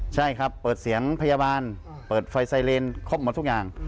ใช่ครับเปิดเสียงพยาบาลเปิดไฟไซเรนครบหมดทุกอย่าง